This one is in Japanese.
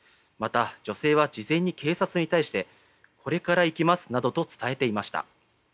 また女性は、事前に警察に対してこれから行きますなどと伝えていました。